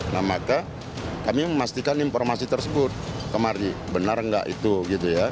nah maka kami memastikan informasi tersebut kemari benar nggak itu gitu ya